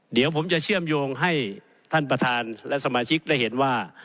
เดี๋ยวผมจะเชื่อมโยงให้ท่านประธานและสมาชิกได้เห็นว่า